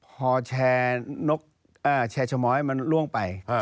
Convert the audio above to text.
พอแชร์นกเอ่อแชร์ชะม้อยมันล่วงไปอ่า